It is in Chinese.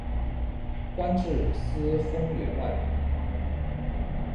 官至司封员外郎。